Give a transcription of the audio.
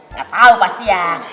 nggak tahu pasti ya